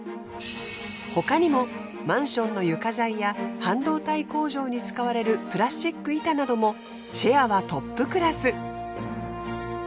他にもマンションの床材や半導体工場に使われるプラスチック板などもシェアはトップクラス。